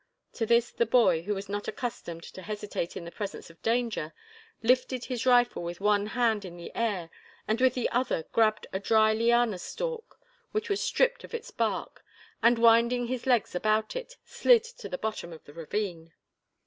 To this the boy, who was not accustomed to hesitate in the presence of danger, lifted his rifle with one hand in the air and with the other grabbed a dry liana stalk, which was stripped of its bark, and, winding his legs about it, slid to the bottom of the ravine.